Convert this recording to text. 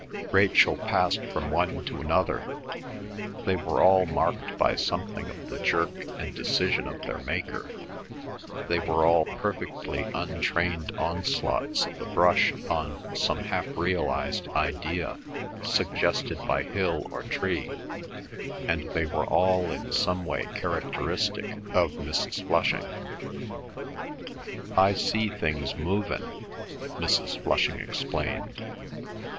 Rachel passed from one to another. They were all marked by something of the jerk and decision of their maker; they were all perfectly untrained onslaughts of the brush upon some half realised idea suggested by hill or tree; and they were all in some way characteristic of Mrs. Flushing. "I see things movin'," Mrs. Flushing explained.